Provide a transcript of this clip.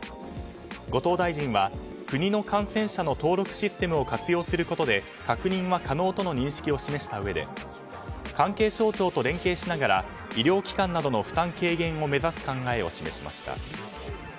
後藤大臣は国の感染者の登録システムを活用することで確認は可能との認識を示したうえで関係省庁と連携しながら医療機関などの負担軽減を目指す考えを示しました。